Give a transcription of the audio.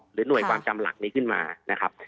หรือหน่วยความจำหลักนี้ขึ้นมานะครับ